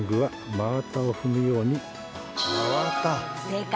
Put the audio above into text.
真綿。